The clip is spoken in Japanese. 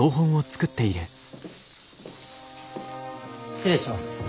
失礼します。